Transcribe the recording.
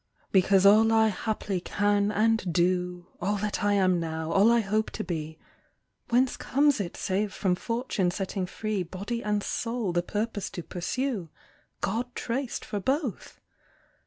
Because all I haply can and do, All that I am now, all I hope to be, Whence comes it save from fortune setting free Body and soul the purpose to pursue, God traced for both?